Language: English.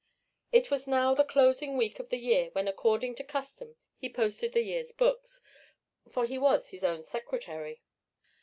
It was now the closing week of the year when according to custom he posted the year's books; for he was his own secretary.